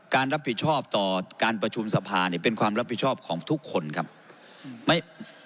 การรับผิดชอบต่อการประชุมสภาเนี่ยเป็นความรับผิดชอบของทุกคนครับไม่